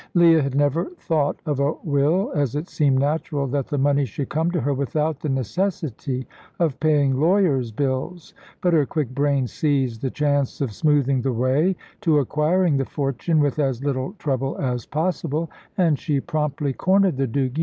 Leah had never thought of a will, as it seemed natural that the money should come to her without the necessity of paying lawyers' bills. But her quick brain seized the chance of smoothing the way to acquiring the fortune with as little trouble as possible, and she promptly cornered the Duke.